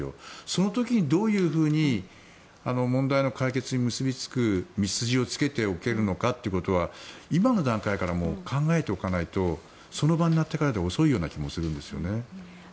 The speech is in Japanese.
その時にどういうふうに問題の解決に結びつく道筋をつけておけるか今の段階から考えておかないとその場になってからでは遅いような気もするんですね。